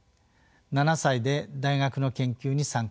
７歳で大学の研究に参加。